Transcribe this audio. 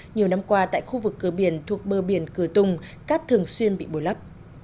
nhiều năm qua tại khu vực cửa biển thuộc bờ biển cửa tùng cát thường xuyên bị bồi lấp